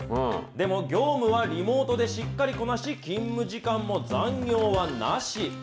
でも、業務はリモートでしっかりこなし、勤務時間も残業はなし。